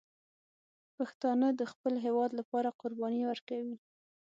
پښتانه د خپل هېواد لپاره قرباني ورکوي.